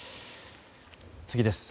次です。